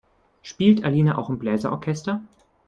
Spielt Alina auch im Bläser-Orchester?